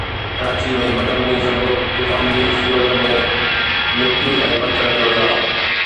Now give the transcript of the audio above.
ڪراچي ۾ بدامني سبب طوفان جي صورت ۾ مٽي ۽ پٿر جو عذاب